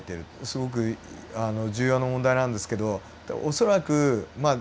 すごく重要な問題なんですけど恐らくまあ